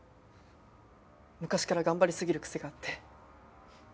昔から頑張りすぎる癖があって。